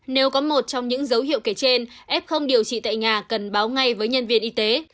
nếu có một trong những dấu hiệu kể trên f không điều trị tại nhà cần báo ngay với nhân viên y tế